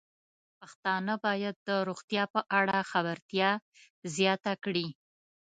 پښتانه بايد د روغتیا په اړه خبرتیا زياته کړي.